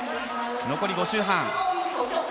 残り５周半。